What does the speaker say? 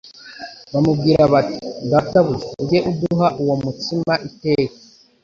bamubwira bati :« Databuja ujye uduha uwo mutsima iteka. »